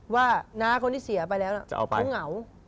น้าคนที่เสียไปแล้วเขาเหงา